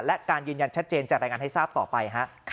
และการยืนยันชัดเจนจะรายงานให้ทราบต่อไป